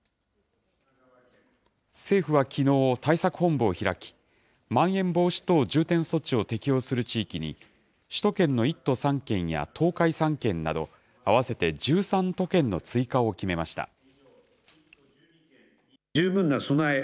政府はきのう、対策本部を開き、まん延防止等重点措置を適用する地域に、首都圏の１都３県や東海３県など、合わせて１３都県の追加を決めました。